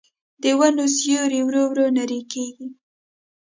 د ونو سیوري ورو ورو نری کېږي